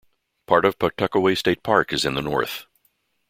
Part of Pawtuckaway State Park is in the north.